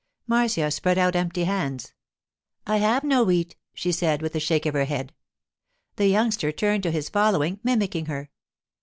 Marcia spread out empty hands. 'I have no wheat,' she said, with a shake of her head. The youngster turned to his following, mimicking her.